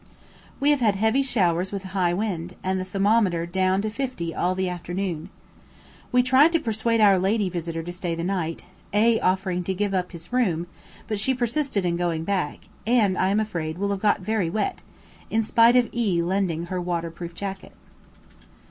We have had heavy showers with a high wind, and the thermometer down to 50 all the afternoon. We tried to persuade our lady visitor to stay the night, A offering to give up his room; but she persisted in going back, and, I am afraid, will have got very wet, in spite of E lending her waterproof jacket.